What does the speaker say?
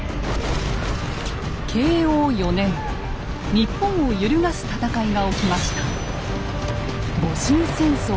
日本を揺るがす戦いが起きました。